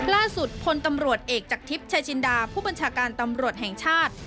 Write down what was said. ล่าสุดพลตำรวจเอกจากทิพย์ชายจินดาผู้บัญชาการตำรวจแห่งชาติ